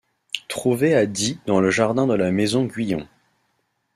Trouvé à Die dans le jardin de la maison Guyon.